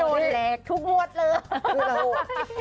โดนแลกทุกมวดเลย